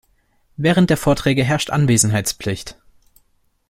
Während der Vorträge herrscht Anwesenheitspflicht.